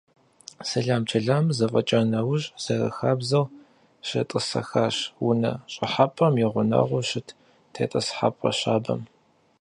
Сэлам-чэламыр зэфӀэкӀа нэужь, зэрахабзэу, щетӀысэхащ унэ щӀыхьэпӀэм и гъунэгъуу щыт тетӀысхьэпӏэ щабэм.